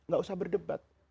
gak usah berdebat